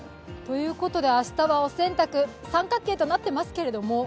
明日はお洗濯、三角形となっていますけれども